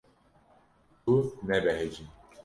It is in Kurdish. Tu nebehecî.